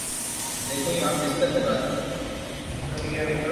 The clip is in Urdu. دیکھو یہاں بستر لگادو